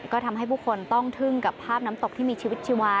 ก็ทำให้ผู้คนต้องทึ่งกับภาพน้ำตกที่มีชีวิตชีวา